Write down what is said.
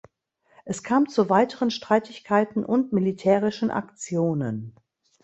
Es kam zu weiteren Streitigkeiten und militärischen Aktionen.